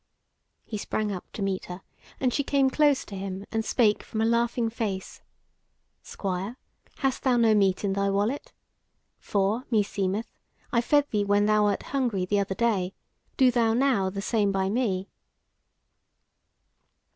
He sprang up to meet her, and she came close to him, and spake from a laughing face: "Squire, hast thou no meat in thy wallet? For, meseemeth, I fed thee when thou wert hungry the other day; do thou now the same by me."